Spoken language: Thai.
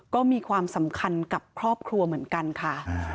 ก็มีความสำคัญกับครอบครัวเหมือนกันค่ะ